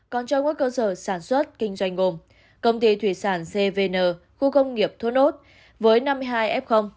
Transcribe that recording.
còn cho các cơ sở sản xuất kinh doanh gồm công ty thủy sản cvn khu công nghiệp thốt nốt với năm mươi hai f